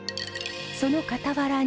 その傍らに。